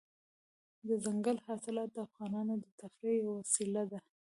دځنګل حاصلات د افغانانو د تفریح یوه وسیله ده.